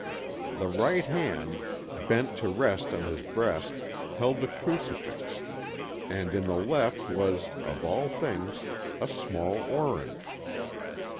The right hand, bent to rest on his breast, held a crucifix, and in the left hand was, of all things, a small orange.